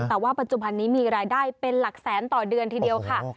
แต่ว่าปัจจุบันนี้มีรายได้เป็นหลักแสนต่อเดือนทีเดียวค่ะ